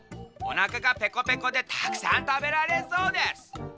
おなかがペコペコでたくさんたべられそうです。